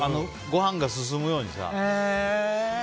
ご飯が進むようにさ。